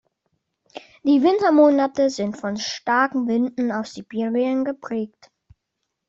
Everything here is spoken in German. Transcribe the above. Die Wintermonate sind von starken Winden aus Sibirien geprägt.